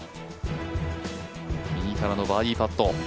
右からのバーディーパット。